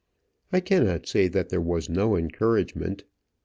I cannot say that there was no encouragement.